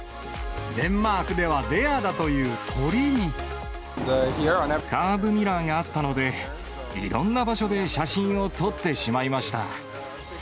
デンマークではレアだというカーブミラーがあったので、いろんな場所で写真を撮ってしまいました。